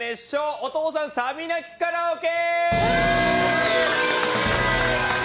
お父さんサビ泣きカラオケ！